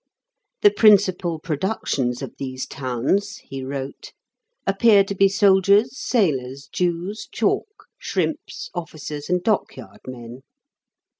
"The prin cipal productions of these towns," he wrote, "appear to be soldiers, sailors, Jews, chalk, shrimps, oJ0&cers, and dockyard men.